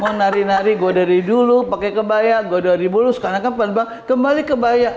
mau nari nari gue dari dulu pakai kebaya gue dari dulu sekarang kembali kebaya